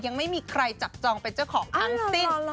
ยังไม่มีใครจับจองเป็นเจ้าของทั้งสิ้น